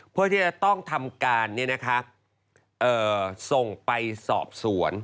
เพื่อที่จะต้องทำการส่งไปสอบสวน